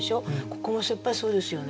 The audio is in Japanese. ここもやっぱりそうですよね。